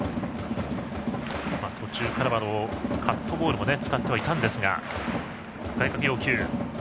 途中からはカットボールも使ってはいるんですが。